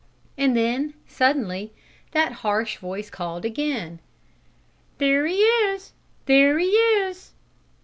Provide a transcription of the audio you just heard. And then, suddenly, that harsh voice called again: "There he is! There he is!"